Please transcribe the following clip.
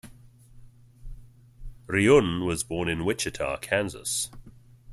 Ryun was born in Wichita, Kansas.